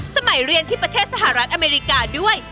สมัยเรียนที่ประเทศสหรัฐอเมริกาด้วย